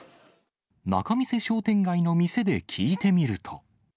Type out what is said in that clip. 仲見世商店街の店で聞いてみると。